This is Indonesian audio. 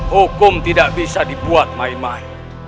hukum tidak bisa dibuat main main